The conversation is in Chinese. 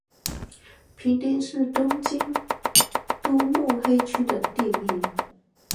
平町是东京都目黑区的地名。